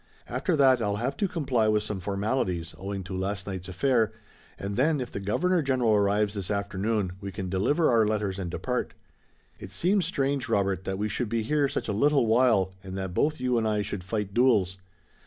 After that I'll have to comply with some formalities, owing to last night's affair, and then if the Governor General arrives this afternoon, we can deliver our letters and depart. It seems strange, Robert, that we should be here such a little while and that both you and I should fight duels.